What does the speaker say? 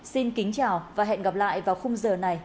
xin kính chào và hẹn gặp lại vào khung giờ này ngày mai